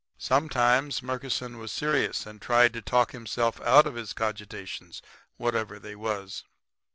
"Sometimes Murkison was serious and tried to talk himself out of his cogitations, whatever they was.